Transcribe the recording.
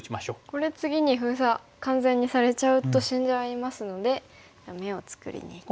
これ次に封鎖完全にされちゃうと死んじゃいますので眼を作りにいきます。